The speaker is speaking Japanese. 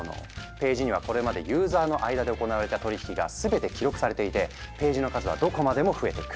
ページにはこれまでユーザーの間で行われた取引が全て記録されていてページの数はどこまでも増えていく。